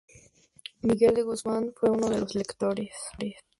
Miguel de Guzmán fue uno de sus lectores.